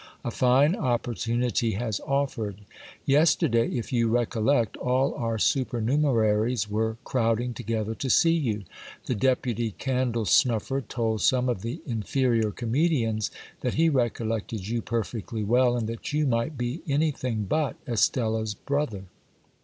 A fine oppor tunity has offered. Yesterday, if you recollect, all our supernumeraries were crowding together to see you. The deputy candle snuffer told some of the in ferior comedians that he recollected you perfectly welL and that you might be anything but Estella's brother.